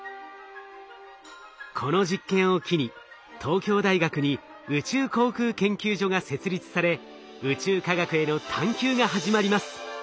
この実験を機に東京大学に宇宙航空研究所が設立され宇宙科学への探究が始まります。